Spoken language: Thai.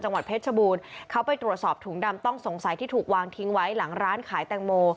เพชรชบูรณ์เขาไปตรวจสอบถุงดำต้องสงสัยที่ถูกวางทิ้งไว้หลังร้านขายแตงโม